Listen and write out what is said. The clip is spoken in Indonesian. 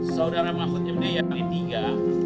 saudara mahfud md yang ketiga